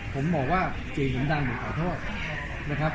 ผมบอกว่าเจดร้างผมขอโทษนะครับ